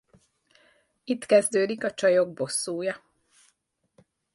Itt kezdődik a csajok bosszúja...